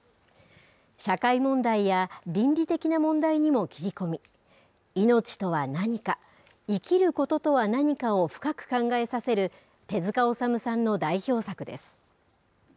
社会問題や倫理的な問題にも切り込み、命とは何か、生きることとは何かを深く考えさせる手塚治虫さんの代表作です。